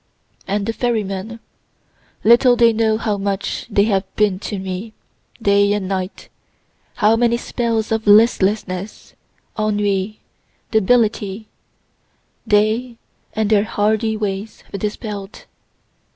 And the ferry men little they know how much they have been to me, day and night how many spells of listlessness, ennui, debility, they and their hardy ways have dispell'd.